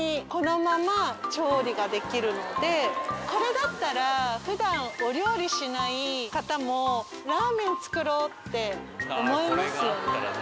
しかもこれだったらふだんお料理しない方もラーメン作ろうって思いますよね。